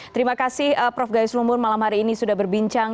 terima kasih prof gayus lumbur malam hari ini sudah berbincang